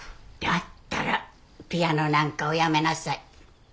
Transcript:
だったらピアノなんかおやめなさい。